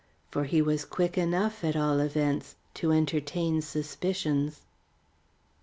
For he was quick enough, at all events, to entertain suspicions.